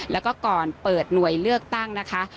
แล้วก็ก่อนเปิดหน่วยเลือกตั้งนะคะ